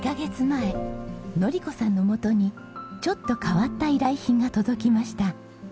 前のり子さんの元にちょっと変わった依頼品が届きました。